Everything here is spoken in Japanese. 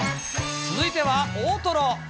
続いては、大トロ。